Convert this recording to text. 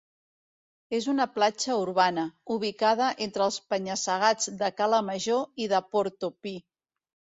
És una platja urbana, ubicada entre els penya-segats de Cala Major i de Porto Pi.